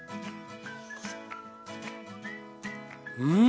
うん！